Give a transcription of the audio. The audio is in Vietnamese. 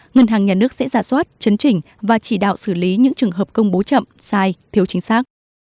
ngân hàng nhà nước sẽ giả soát chấn chỉnh và chỉ đạo xử lý những trường hợp công bố chậm sai thiếu chính xác